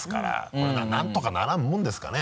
これ何とかならんもんですかね？